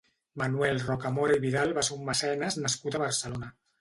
Manuel Rocamora i Vidal va ser un mecenes nascut a Barcelona.